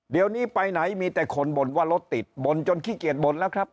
เดี๋ยวนี้ไปไหนมีแต่คนบ่นว่ารถติดบ่นจนขี้เกียจบ่นแล้วครับ